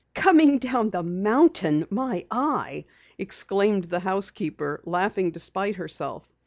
"Coming down the mountain, my eye!" exclaimed the housekeeper, laughing despite herself.